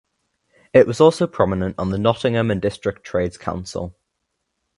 It was also prominent on the Nottingham and District Trades Council.